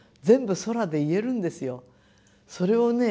それをね